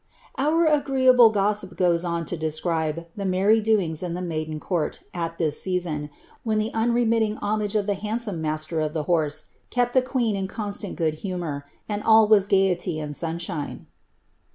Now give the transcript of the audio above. Our agreeable gossip goes on to describe the merry doings in the naiden court, at this season, when the unremitting homage of the hand tome master of the horse kept the queen in constant good humour, and ■U was gaiety and sunshine.